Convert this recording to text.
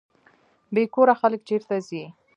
بې کوره خلک چیرته ځي؟